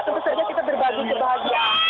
tentu saja kita berbagi kebahagiaan